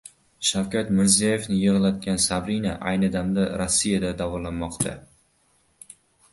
Shavkat Mirziyoyevni yig‘latgan Sabrina ayni damda Rossiyada davolanmoqda